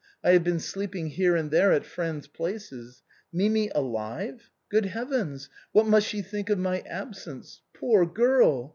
I have been sleeping here and there at friends' places. Mimi alive! Good heavens ! what must she think of my absence ? Poor girl